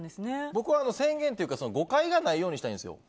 僕は宣言というか誤解がないようにしたいんです。